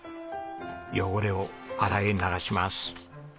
汚れを洗い流します。